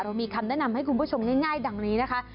มีคำแนะนำให้คุณผู้ชมง่ายดังนี้นะคะ